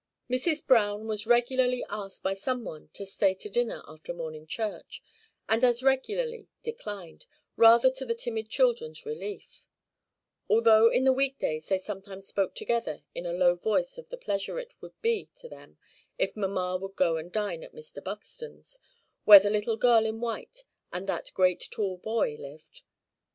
Mrs. Browne was regularly asked by some one to stay to dinner after morning church, and as regularly declined, rather to the timid children's relief; although in the week days they sometimes spoke together in a low voice of the pleasure it would be to them if mamma would go and dine at Mr. Buxton's, where the little girl in white and that great tall boy lived.